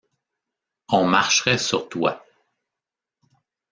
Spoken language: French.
On marcherait sur toi.